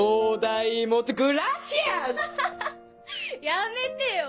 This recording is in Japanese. やめてよ！